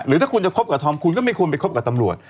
ถ้าคุณจะคบกับธอมคุณก็ไม่ควรไปคบกับตำรวจ